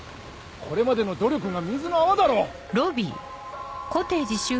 これまでの努力が水の泡だろ！